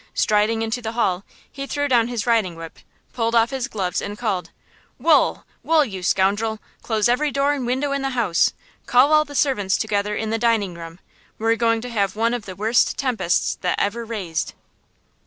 Striding into the hall, he threw down his riding whip, pulled off his gloves and called: "Wool! Wool, you scoundrel, close every door and window in the house! Call all the servants together in the dining room; we're going to have one of the worst tempests that ever raised!"